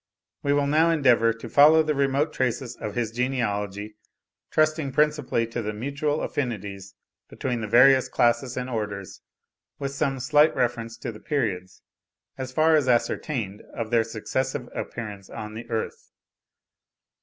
We will now endeavour to follow the remote traces of his genealogy, trusting principally to the mutual affinities between the various classes and orders, with some slight reference to the periods, as far as ascertained, of their successive appearance on the earth.